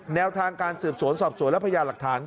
แนวทางการสืบสวนสอบสวนและพญาหลักฐาน